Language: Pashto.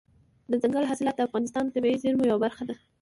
دځنګل حاصلات د افغانستان د طبیعي زیرمو یوه برخه ده.